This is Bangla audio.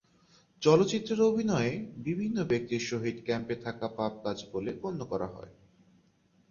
চলচ্চিত্রের অভিনয়ে বিভিন্ন ব্যক্তির সহিত ক্যাম্পে থাকা পাপ কাজ বলে গণ্য করা হত।